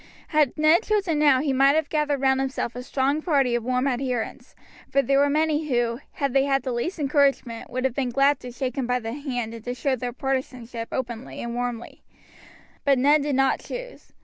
Had Ned chosen now he might have gathered round himself a strong party of warm adherents, for there were many who, had they had the least encouragement, would have been glad to shake him by the hand and to show their partisanship openly and warmly; but Ned did not choose.